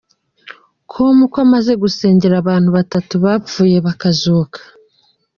com ko amaze gusengera abantu batatu bapfuye bakazuka.